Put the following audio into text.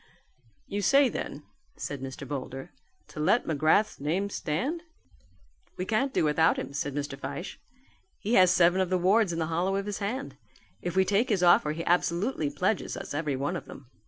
"You say then," said Mr. Boulder, "to let McGrath's name stand." "We can't do without him," said Mr. Fyshe, "he has seven of the wards in the hollow of his hand. If we take his offer he absolutely pledges us every one of them."